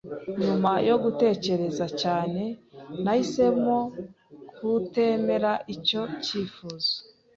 Nyuma yo gutekereza cyane, nahisemo kutemera icyo cyifuzo.